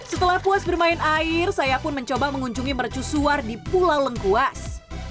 setelah puas bermain air saya pun mencoba mengunjungi mercusuar di pulau lengkuas